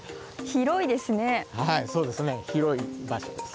広い場所です。